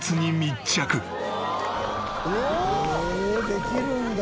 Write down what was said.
できるんだ。